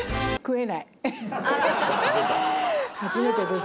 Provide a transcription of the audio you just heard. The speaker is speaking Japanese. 初めてです。